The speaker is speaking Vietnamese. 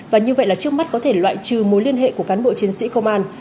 và như vậy là trước mắt có thể loại trừ mối liên hệ của cán bộ chiến sĩ công an